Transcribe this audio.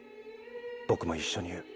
僕も一緒に言う。